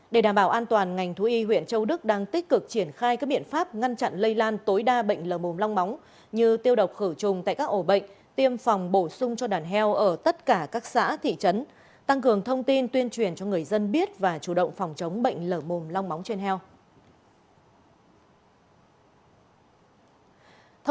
để đảm bảo an toàn ngành thú y huyện châu đức đang tích cực triển khai các biện pháp ngăn chặn lây lan tối đa bệnh lở mồm long móng như tiêu độc khử trùng tại các ổ bệnh tiêm phòng bổ sung cho đàn heo ở tất cả các xã thị trấn tăng cường thông tin tuyên truyền cho người dân biết và chủ động phòng chống bệnh lở mồm long móng trên heo